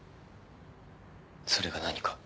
それが何か？